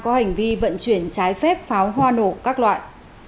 có hành vi vận chuyển trái phép pháo hoa nổ các loại